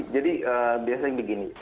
jadi biasanya begini